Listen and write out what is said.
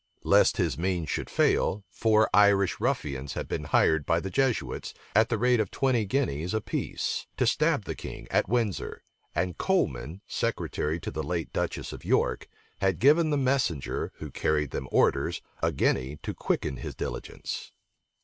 Lest his means should fail, four Irish ruffians had been hired by the Jesuits, at the rate of twenty guineas apiece, to stab the king at Windsor; and Coleman, secretary to the late duchess of York, had given the messenger, who carried them orders, a guinea to quicken his diligence.